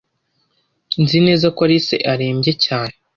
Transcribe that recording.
Nzi neza ko Alice arembye cyane.